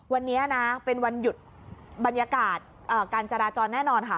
วันนี้นะเป็นวันหยุดบรรยากาศการจราจรแน่นอนค่ะ